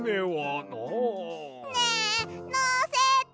ねえのせて！